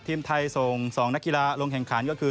ทีมไทยส่ง๒นักกีฬาลงแข่งขันก็คือ